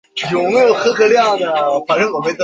未经评估过的经验疗法可能导致忽略恶性肿瘤。